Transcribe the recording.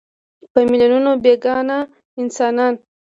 په میلیونونو بېګناه انسانان.